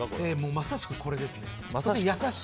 まさしくこれですね。